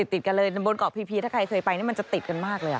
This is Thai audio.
ติดกันเลยบนเกาะพีพีถ้าใครเคยไปนี่มันจะติดกันมากเลย